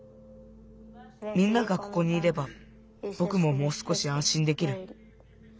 みんながここにいればぼくももうすこしあんしんできる。